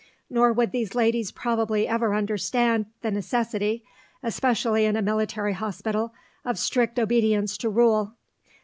Nor would these ladies probably ever understand the necessity, especially in a military hospital, of strict obedience to rule.